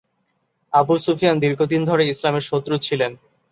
Abu Sufyan দীর্ঘদিন ধরে ইসলামের শত্রু ছিলেন।